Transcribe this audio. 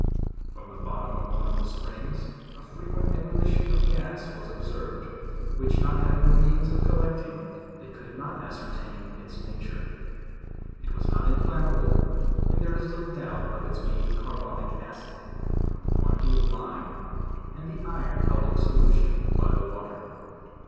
From the bottom of one of the hot springs a frequent ebullition of gas was observed, which not having the means of collecting, they could not ascertain its nature: it was not inflammable, and there is little doubt of its being carbonic acid, from the quantity of lime, and the iron, held in solu tion by the water.